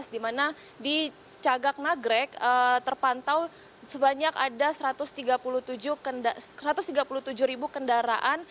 di mana di cagak nagrek terpantau sebanyak ada satu ratus tiga puluh tujuh ribu kendaraan